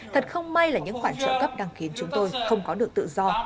thật không may là những khoản trợ cấp đang khiến chúng tôi không có được tự do